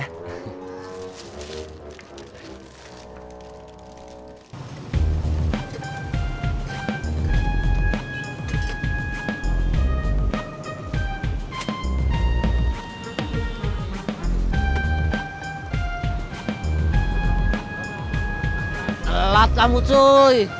telat kamu cuy